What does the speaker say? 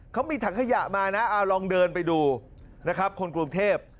เขามีถังขยะมานะเอาลองเดินไปดูนะครับคนกรุงเทพ